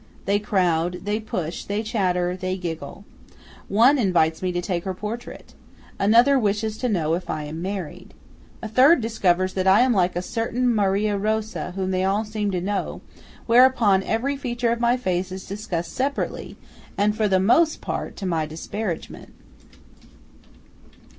They crowd; they push; they chatter; they giggle. One invites me to take her portrait. Another wishes to know if I am married. A third discovers that I am like a certain Maria Rosa whom they all seem to know; whereupon every feature of my face is discussed separately, and for the most part to my disparagement.